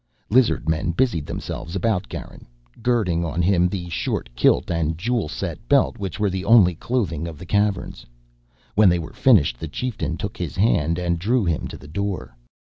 Lizard men busied themselves about Garin, girding on him the short kilt and jewel set belt which were the only clothing of the Caverns. When they were finished, the chieftain took his hand and drew him to the door.